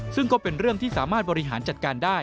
ซึ่งก็เป็นเรื่องที่สามารถบริหารจัดการได้